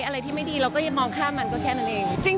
อะไรที่ไม่ดีเราก็จะมองข้ามมันก็แค่นั้นเอง